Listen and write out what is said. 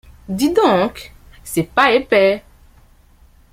Dis donc c'est pas épais.